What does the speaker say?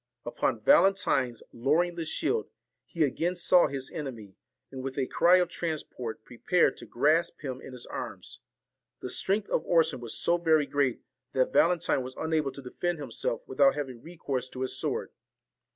Upon Valentine's lowering the shield, he again saw his enemy, and with a cry of transport prepared to grasp him in his arms. The strength of Orson was so very great, that Valentine was unable to defend himself without having recourse to his sword.